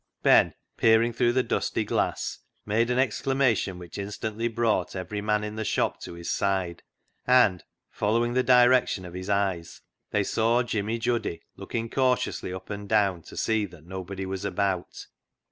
■ Ben, peering through the dusty glass, made an exclamation which instantly brought every man in the shop to his side, and, following the direction of his eyes, they saw Jimmy Juddy looking cautiously up and down to see that nobody was about.